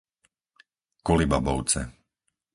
Kolibabovce